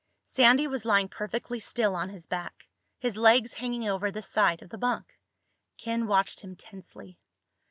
Sandy was lying perfectly still on his back, his legs hanging over the side of the bunk. Ken watched him tensely.